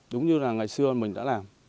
đúng như là ngày xưa mình đã làm